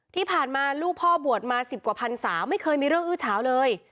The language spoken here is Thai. ที่ผ่านมาลูกพ่อบวชมา๑๐กว่าพันศาไม่เคยมีเรื่องอื้อเฉาเลย